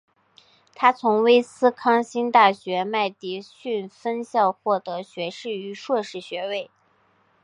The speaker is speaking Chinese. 他从威斯康辛大学麦迪逊分校获得学士与硕士学位。